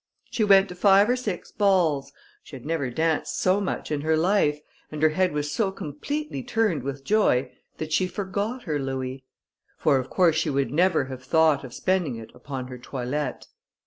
She went to five or six balls; she had never danced so much in her life, and her head was so completely turned with joy, that she forgot her louis; for, of course, she would never have thought of spending it upon her toilette.